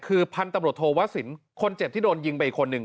คือพันธุ์ตำรวจโทวสินคนเจ็บที่โดนยิงไปอีกคนหนึ่ง